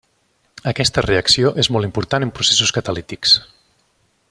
Aquesta reacció és molt important en processos catalítics.